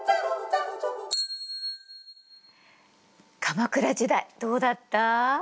鎌倉時代どうだった？